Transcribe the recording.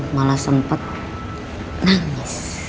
malah sempet nangis